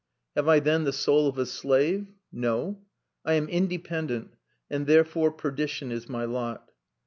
Have I then the soul of a slave? No! I am independent and therefore perdition is my lot."